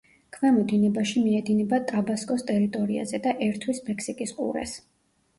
ქვემო დინებაში მიედინება ტაბასკოს ტერიტორიაზე და ერთვის მექსიკის ყურეს.